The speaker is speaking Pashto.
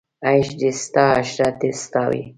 عیش دې ستا عشرت دې ستا وي